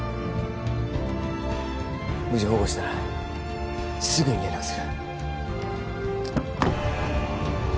無事保護したらすぐに連絡する